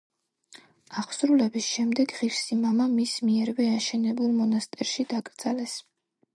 აღსრულების შემდეგ ღირსი მამა მის მიერვე აშენებულ მონასტერში დაკრძალეს.